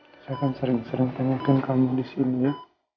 saya kan sering sering tanyakan kamu di sini ya